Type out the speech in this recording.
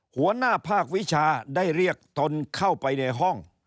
หัวหน้าภาควิชาได้เรียกตนเข้าไปในห้อง